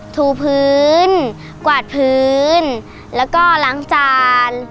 ถูพื้นกวาดพื้นแล้วก็ล้างจาน